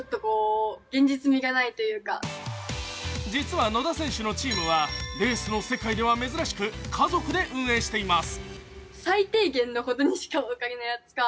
実は野田選手のチームはレースの世界では珍しく、家族で運営しています。